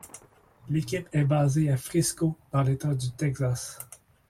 L'équipe est basée à Frisco dans l'État du Texas.